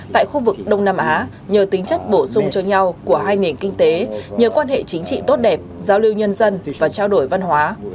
tại khu vực đông nam á nhờ tính chất bổ sung cho nhau của hai nền kinh tế nhờ quan hệ chính trị tốt đẹp giao lưu nhân dân và trao đổi văn hóa